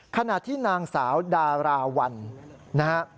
ขณะที่นางสาวดาราวันนะฮะ